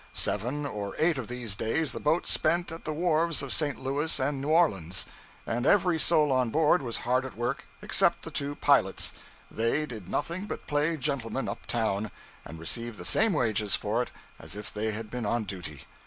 Seven or eight of these days the boat spent at the wharves of St. Louis and New Orleans, and every soul on board was hard at work, except the two pilots; they did nothing but play gentleman up town, and receive the same wages for it as if they had been on duty.